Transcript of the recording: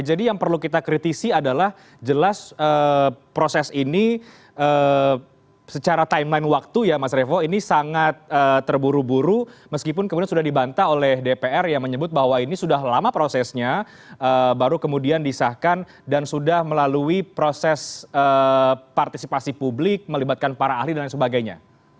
tapi yang perlu kita kritisi adalah jelas proses ini secara timeline waktu ya mas revo ini sangat terburu buru meskipun kemudian sudah dibanta oleh dpr yang menyebut bahwa ini sudah lama prosesnya baru kemudian disahkan dan sudah melalui proses partisipasi publik melibatkan para ahli dan lain sebagainya